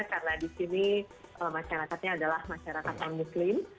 karena di sini masyarakatnya adalah masyarakat yang muslim